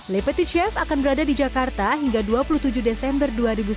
lepeti chef akan berada di jakarta hingga dua puluh tujuh desember dua ribu sembilan belas